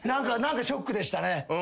何かショックでしたね。